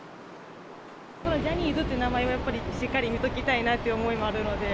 ジャニーズっていう名前をしっかり見ておきたいなという思いもあるので。